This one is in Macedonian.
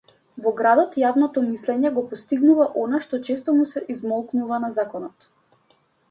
Во градот јавното мислење го постигнува она што често му се измолкнува на законот.